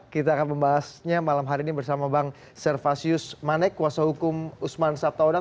kita akan membahasnya malam hari ini bersama bang servasius manek kuasa hukum usman sabtaodang